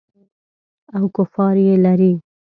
او کفار یې لري.